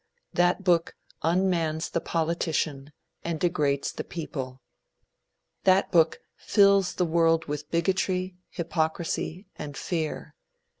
That book unmans the politician and degrades the people. That book fills the world with bigotry, hypocrisy and fear.